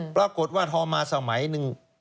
ปรากฏว่าพอมาสมัยหนึ่ง